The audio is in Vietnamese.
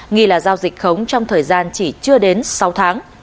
nghi là giao dịch khống trong thời gian chỉ chưa đến sáu tháng